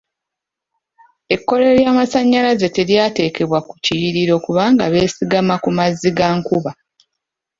Ekkolero ly'amasanyalaze telyateebwa ku kiyiriro kubanga beesigama ku mazzi ga nkuba.